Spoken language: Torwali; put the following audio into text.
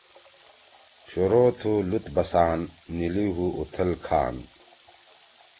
شروع تُھو لُت بسان، نیِلی ہُو اُوتھل کھان